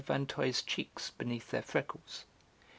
Vinteuil's cheeks beneath their freckles.